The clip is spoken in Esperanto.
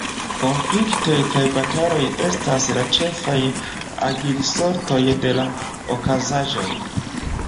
Konfliktoj kaj bataloj estas la ĉefaj ag-risortoj de la okazaĵoj.